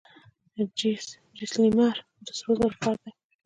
جیسلمیر د سرو زرو ښار دی.